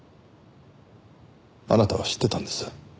あなたは知ってたんです。